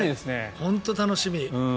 本当に楽しみ。